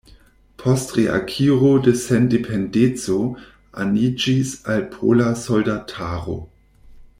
Post reakiro de sendependeco aniĝis al Pola Soldataro.